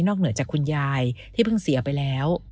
เหนือจากคุณยายที่เพิ่งเสียไปแล้ว